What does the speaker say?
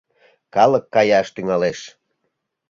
Калык каяш тӱҥалеш.